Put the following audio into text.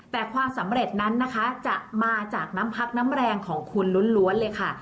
แต่ความสำเร็จนั้นนะคะจะมาจากน้ำพักน้ำแรงของคุณล้วนเลยค่ะ